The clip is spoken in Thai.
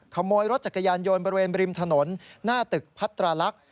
ขโมยรถจักรยานยนต์บริเวณบริมถนนหน้าตึกพัตราลักษณ์